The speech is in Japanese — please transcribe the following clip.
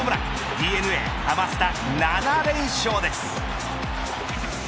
ＤｅＮＡ、ハマスタ７連勝です。